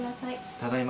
ただいま。